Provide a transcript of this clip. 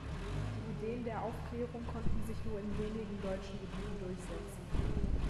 Die Ideen der Aufklärung konnten sich nur in wenigen deutschen Gebieten durchsetzen.